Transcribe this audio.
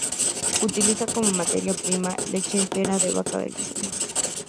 Utiliza como materia prima leche entera de vaca de la zona.